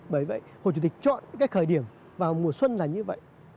bởi vậy hồ chủ tịch chọn cái khởi điểm vào mùa xuân là như vậy